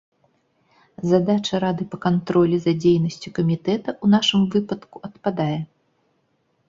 Задача рады па кантролі за дзейнасцю камітэта ў нашым выпадку адпадае.